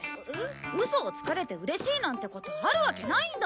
ウソをつかれてうれしいなんてことあるわけないんだ！